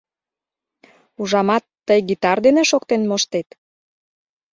— Ужамат, тый гитар дене шоктен моштет?